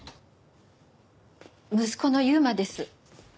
息子の優馬です。